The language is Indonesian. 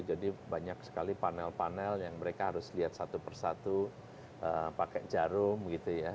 jadi banyak sekali panel panel yang mereka harus lihat satu persatu pakai jarum gitu ya